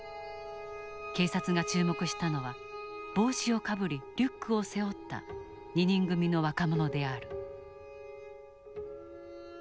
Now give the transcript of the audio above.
警察が注目したのは帽子をかぶりリュックを背負った２人組の若者である。